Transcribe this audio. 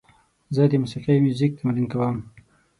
زه د موسیقۍ میوزیک تمرین کوم.